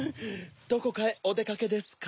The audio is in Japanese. どこかへおでかけですか？